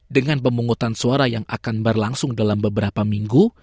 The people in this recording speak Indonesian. dengan pemungutan suara yang akan berlangsung dalam beberapa minggu